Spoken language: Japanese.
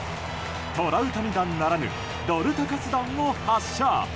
トラウタニ弾ならぬドルタカス弾を発射。